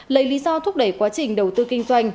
lấy lý do thúc đẩy quá trình đầu tư kinh doanh